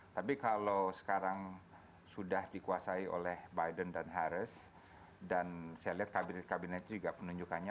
tapi kalau sekarang sudah dikuasai oleh biden dan harris dan saya lihat kabinet kabinet itu juga penunjukannya